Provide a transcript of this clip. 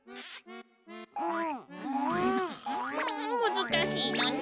むずかしいのね！